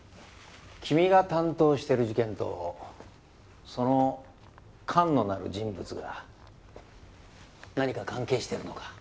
君が担当している事件とその菅野なる人物が何か関係してるのか？